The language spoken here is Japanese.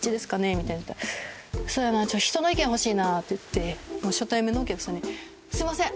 みたいに言ったら「そうやな人の意見欲しいな」って言って初対面のお客さんに「すみません